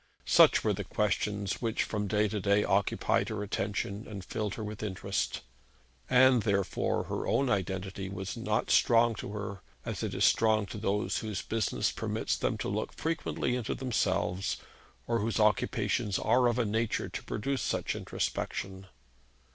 Such were the questions which from day to day occupied her attention and filled her with interest. And therefore her own identity was not strong to her, as it is strong to those whose business permits them to look frequently into themselves, or whose occupations are of a nature to produce such introspection.